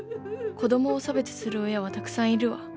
子供を差別する親はたくさんいるわ。